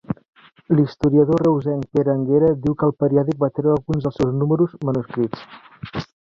L'historiador reusenc Pere Anguera diu que el periòdic va treure alguns dels seus números, manuscrits.